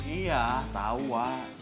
iya tau wah